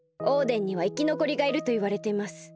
オーデンにはいきのこりがいるといわれています。